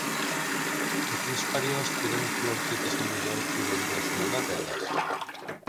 De quins períodes podem trobar objectes al Museu Arqueològic Nacional d'Atenes?